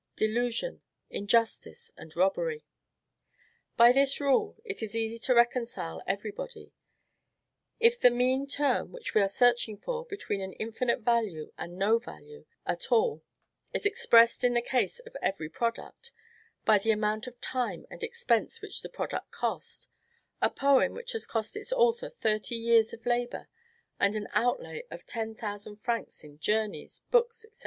Delusion, injustice, and robbery. By this rule, it is easy to reconcile every body. If the mean term, which we are searching for, between an infinite value and no value at all is expressed in the case of every product, by the amount of time and expense which the product cost, a poem which has cost its author thirty years of labor and an outlay of ten thousand francs in journeys, books, &c.